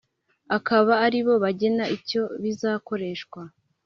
akaba aribo bagena icyo bizakoreshwa